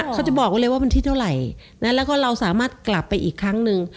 เขาจะบอกไว้เลยว่าวันที่เท่าไหร่นะแล้วก็เราสามารถกลับไปอีกครั้งหนึ่ง